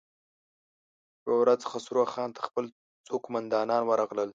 يوه ورځ خسرو خان ته خپل څو قوماندان ورغلل.